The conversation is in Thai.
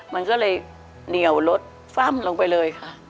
มันก็เลยเหนียวรถฟ่ำลงไปเลยค่ะ